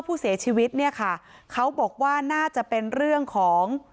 ผู้เสียชีวิตเนี่ยค่ะเขาบอกว่าน่าจะเป็นเรื่องของ